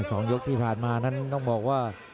คอยจะปรับหัว